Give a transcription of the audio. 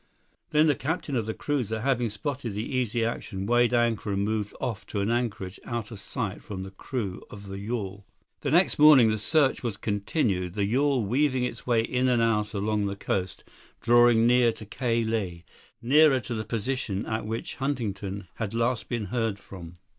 Then the captain of the cruiser, having spotted the Easy Action, weighed anchor and moved off to an anchorage out of sight from the crew of the yawl. 102 The next morning the search was continued, the yawl weaving its way in and out along the coast, drawing nearer to Ka Lae, nearer to the position at which Huntington had last been heard from.